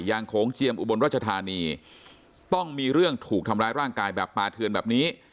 โขงเจียมอุบลรัชธานีต้องมีเรื่องถูกทำร้ายร่างกายแบบปาเทือนแบบนี้